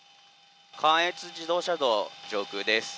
関越自動車道上空です。